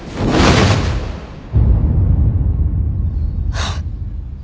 あっ。